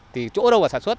thì chỗ đâu mà sản xuất